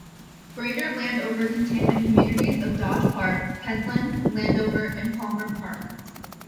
Greater Landover contained the communities of Dodge Park, Kentland, Landover, and Palmer Park.